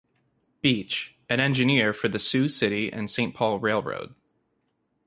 Beach, an engineer for the Sioux City and Saint Paul Railroad.